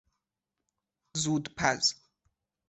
زود پز